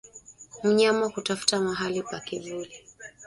Mnyama kutafuta mahali pa kivuli